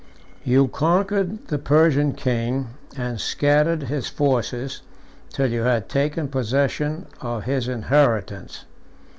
You conquered the Persian king, and scattered his forces, till you had taken possession of his inheritance."